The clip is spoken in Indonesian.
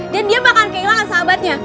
dan dia bakalan kehilangan sahabatnya